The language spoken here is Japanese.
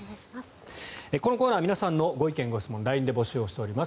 このコーナー皆さんのご意見・ご質問をＬＩＮＥで募集しております。